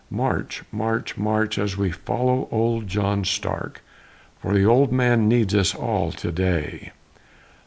March! March! March! as we follow old John Stark, For the old man needs us all to day.